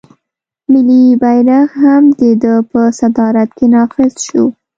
ملي بیرغ هم د ده په صدارت کې نافذ شو.